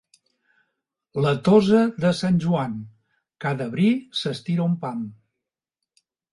La tosa de Sant Joan, cada bri s'estira un pam.